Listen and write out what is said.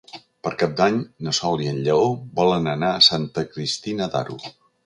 Per Cap d'Any na Sol i en Lleó volen anar a Santa Cristina d'Aro.